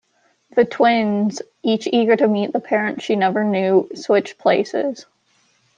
The twins, each eager to meet the parent she never knew, switch places.